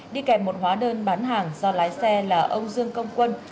đi kèm một hóa đơn bán hàng do lái xe là ông dương công quân